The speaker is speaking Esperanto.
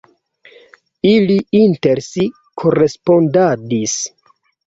Ili inter si korespondadis.